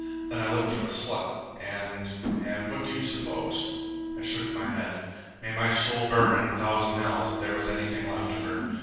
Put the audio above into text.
Then I looked for the slut, and and what do you suppose?" I shook my head. "May my soul burn in a thousand hells if there was anything left of her!